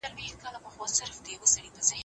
دولتونه د خپلو خلګو د هوسا ژوند لپاره کار کوي.